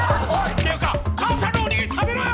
っていうかかあさんのおにぎり食べろよ！